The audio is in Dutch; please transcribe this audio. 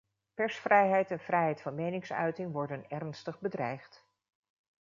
Persvrijheid en vrijheid van meningsuiting worden ernstig bedreigd.